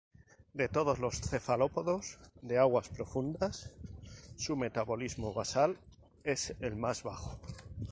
De todos los cefalópodos de aguas profundas, su metabolismo basal es el más bajo.